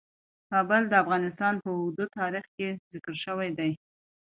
کابل د افغانستان په اوږده تاریخ کې ذکر شوی دی.